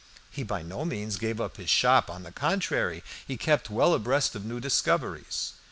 He by no means gave up his shop. On the contrary, he kept well abreast of new discoveries.